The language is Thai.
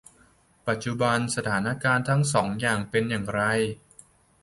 ปัจจุบันสถานการณ์ทั้งสองอย่างเป็นอย่างไร ?